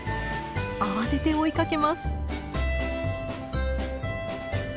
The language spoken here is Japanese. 慌てて追いかけます。